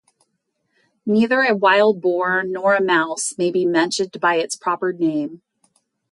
Neither a wild boar nor a mouse may be mentioned by its proper name.